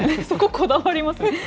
そこ、こだわりますね。